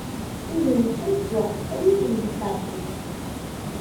Ihi nečča neswa, armi tebzeg tɛebbuḍt.